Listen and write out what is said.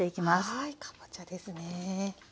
はいかぼちゃですね。